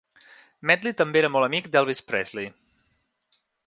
Medley també era molt amic d'Elvis Presley.